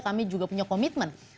kami juga punya komitmen